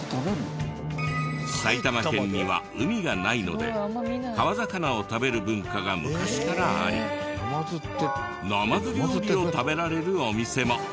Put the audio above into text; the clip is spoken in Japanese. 埼玉県には海がないので川魚を食べる文化が昔からありナマズ料理を食べられるお店も。